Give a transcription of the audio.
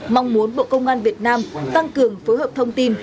mong muốn bộ công an việt nam tăng cường phối hợp thông tin